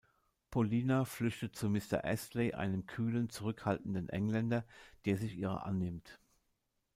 Polina flüchtet zu Mr Astley, einem kühlen, zurückhaltenden Engländer, der sich ihrer annimmt.